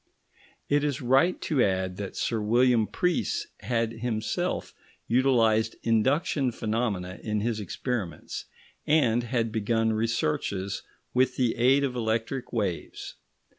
It is right to add that Sir William Preece had himself utilised induction phenomena in his experiments, and had begun researches with the aid of electric waves.